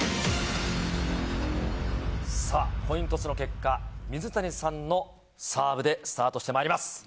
コイントスの結果水谷さんのサーブでスタートしてまいります。